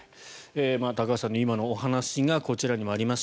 高橋さんの今のお話がこちらにもあります。